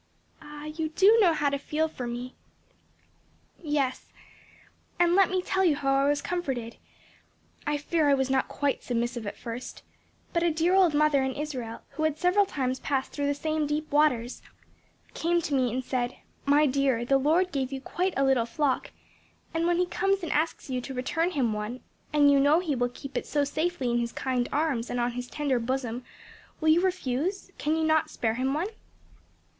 "Ah, you do know how to feel for me!" "Yes; and let me tell you how I was comforted. I fear I was not quite submissive at first; but a dear old mother in Israel, who had several times passed through the same deep waters, came to me and said 'My dear, the Lord gave you quite a little flock and when He comes and asks you to return him one, and you know He will keep it so safely in his kind arms and on his tender bosom, will you refuse? can you not spare Him one?'